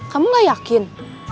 kamu gak yakin